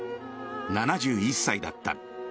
７１歳だった。